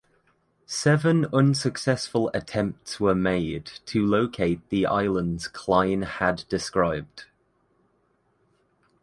Seven unsuccessful attempts were made to locate the islands Klein had described.